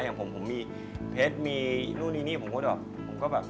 อย่างผมผมมีเพชรมีนู่นนี่ผมก็แบบ